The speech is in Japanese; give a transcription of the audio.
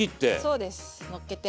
そうですのっけて。